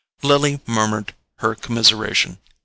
Lily murmured her commiseration.